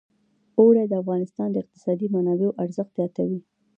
اوړي د افغانستان د اقتصادي منابعو ارزښت زیاتوي.